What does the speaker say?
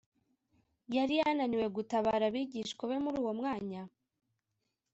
yari yananiwe gutabara abigishwa be muri uwo mwanya?